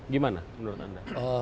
gimana menurut anda